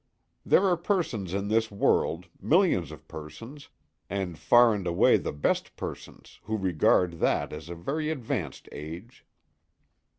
There are persons in this world, millions of persons, and far and away the best persons, who regard that as a very advanced age.